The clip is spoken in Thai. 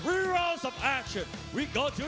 เราไปกับรางวัลสกอร์เทอร์